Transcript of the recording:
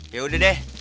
ya udah deh